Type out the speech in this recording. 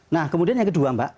nah kemudian yang kedua mbak